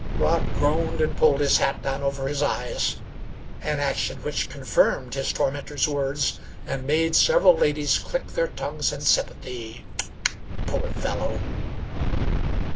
Rob groaned, and pulled his hat down over his eyes an action which confirmed his tormentors' words and made several ladies click their tongues in sympathy "Tlck! tlck! poor fellow!"